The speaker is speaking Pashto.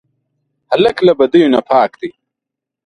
هلک له بدیو نه پاک دی.